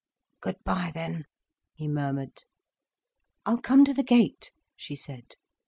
"Good bye then," he murmured. "I'll come to the gate," she said.